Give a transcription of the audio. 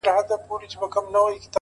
زمـــا د رسـوايـــۍ كــيســه ـ